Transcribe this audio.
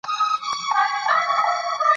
خلک د باران هیله لري.